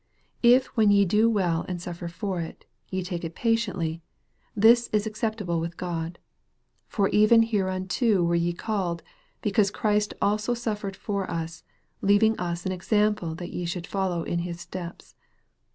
" If when ye do well and suffer for it, ye take it patiently, this is ac ceptable with God. For even hereunto were ye called, because Christ also suffered for us, leaving us an example that ye should follow His steps."